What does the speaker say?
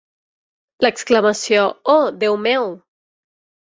L'exclamació "Oh, Déu meu!".